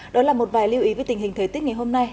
đó là một vài lưu ý với tình hình thời tiết ngày hôm nay